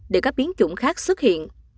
để các biến chủng khác xuất hiện